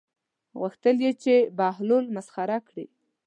غوښتل یې چې بهلول مسخره کړي.